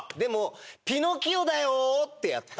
「ピノキオだよ」ってやった。